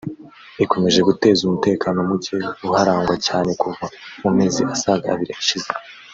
ikomeje guteza umutekano muke uharangwa cyane kuva mu mezi asaga abiri ashize